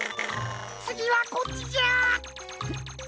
つぎはこっちじゃ。